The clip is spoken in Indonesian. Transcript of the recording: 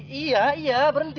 iya iya berhenti